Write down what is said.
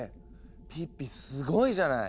ピッピすごいじゃない。